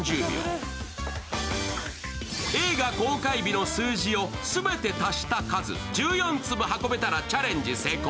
映画公開日の数字を全て足した数、１４粒運べたらチャレンジ成功。